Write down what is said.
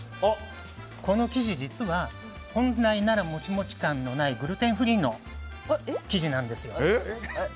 この生地、実は本来なら、モチモチ感のないグルテンフリーの生地なんですよ。